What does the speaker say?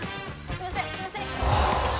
すいません！